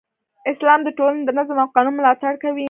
اسلام د ټولنې د نظم او قانون ملاتړ کوي.